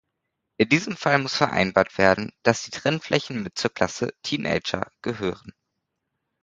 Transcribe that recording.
In diesem Fall muss vereinbart werden, dass die Trennflächen mit zur Klasse „Teenager“ gehören.